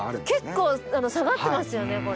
結構下がってますよねこれ。